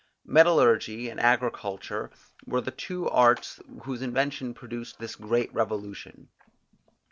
Metallurgy and agriculture were the two arts whose invention produced this great revolution.